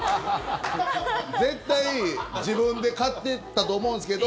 絶対自分で買っていったと思うんですけど。